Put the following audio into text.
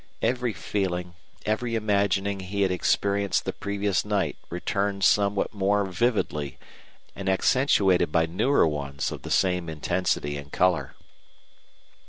Every feeling, every imagining he had experienced the previous night returned somewhat more vividly and accentuated by newer ones of the same intensity and color.